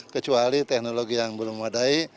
kecuali teknologi yang belum memadai